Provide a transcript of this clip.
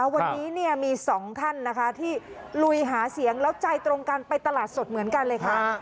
วันนี้มีสองท่านนะคะที่ลุยหาเสียงแล้วใจตรงกันไปตลาดสดเหมือนกันเลยค่ะ